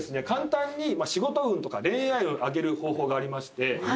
簡単に仕事運とか恋愛運上げる方法がありまして。